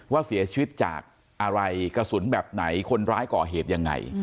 ว่าเสียชีวิตจากอะไรกระสุนแบบไหนคนร้ายก่อเหตุยังไง